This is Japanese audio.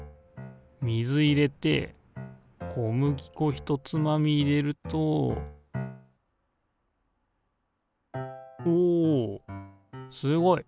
水入れて小麦粉ひとつまみ入れるとおすごい。